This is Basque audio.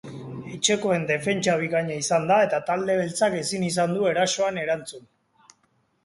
Etxekoen defentsa bikaina izan da eta talde beltzak ezin izan du erasoan erantzun.